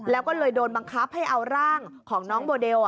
แล้วก็เลยโดนบังคับให้เอาร่างของน้องโมเดล